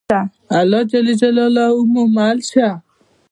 الله ج مو مل شه.